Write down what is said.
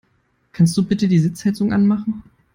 Kannst du bitte die Sitzheizung anmachen?